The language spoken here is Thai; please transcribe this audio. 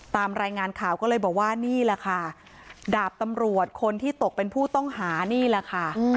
ตามรายงานข่าวก็เลยบอกว่านี่แหละค่ะดาบตำรวจคนที่ตกเป็นผู้ต้องหานี่แหละค่ะ